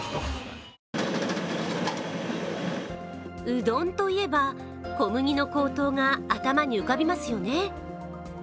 うどんといえば小麦の高騰が頭に浮かびますよね。